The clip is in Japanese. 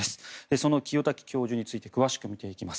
その清滝教授について詳しく見ていきます。